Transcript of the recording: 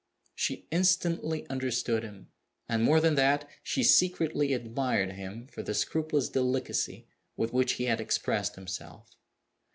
She instantly understood him. And more than that, she secretly admired him for the scrupulous delicacy with which he had expressed himself.